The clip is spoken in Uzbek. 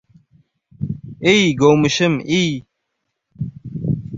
Iy, govmishim, iy!..